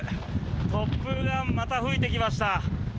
突風がまた吹いてきました。